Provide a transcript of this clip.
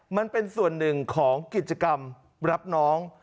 มันเป็นส่วนหนึ่งของกิจกรรมรับน้อง